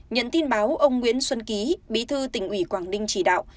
nhận tin báo ông nguyễn xuân ký bí thư tỉnh ủy quảng ninh chỉ đạo